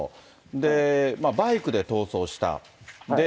で、バイクで逃走した。